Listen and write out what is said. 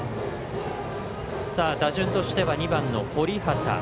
打順としては２番の堀畑